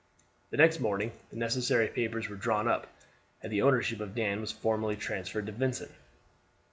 The next morning the necessary papers were drawn up, and the ownership of Dan was formally transferred to Vincent.